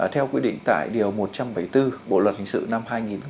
theo quy định tại điều một trăm bảy mươi bốn bộ luật hình sự năm hai nghìn một mươi năm